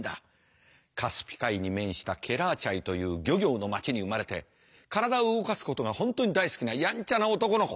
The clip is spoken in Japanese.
カスピ海に面したケラーチャイという漁業の町に生まれて体を動かすことが本当に大好きなやんちゃな男の子。